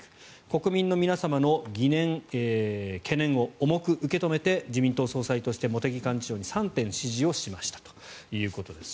国民の皆様の疑念、懸念を重く受け止めて自民党総裁として茂木幹事長に３点指示をしましたということです。